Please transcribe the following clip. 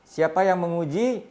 siapa yang menguji